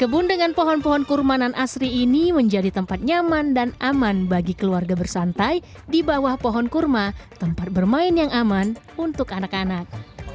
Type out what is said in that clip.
kebun dengan pohon pohon kurmanan asri ini menjadi tempat nyaman dan aman bagi keluarga bersantai di bawah pohon kurma tempat bermain yang aman untuk anak anak